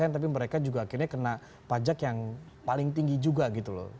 tapi mereka juga akhirnya kena pajak yang paling tinggi juga gitu loh